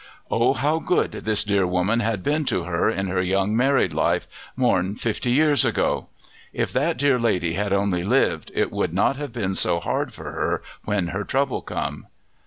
Oh, how good this dear woman had been to her in her young married life more'n fifty years ago! If that dear lady had only lived it would not have been so hard for her when her trouble come!